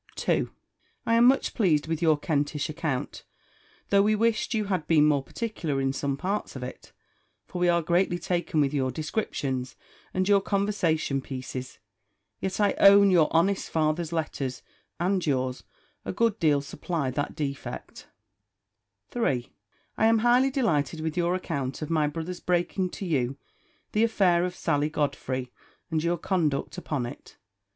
2. I am much pleased with your Kentish account; though we wished you had been more particular in some parts of it; for we are greatly taken with your descriptions: and your conversation pieces: yet I own, your honest father's letters, and yours, a good deal supply that defect. 3. I am highly delighted with your account of my brother's breaking to you the affair of Sally Godfrey, and your conduct upon it.